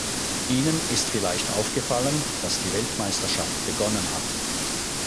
Ihnen ist vielleicht aufgefallen, dass die Weltmeisterschaft begonnen hat.